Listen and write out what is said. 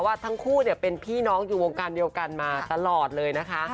ว่าทั้งคู่เป็นพี่น้องอยู่วงการเดียวกันมาตลอดเลยนะคะ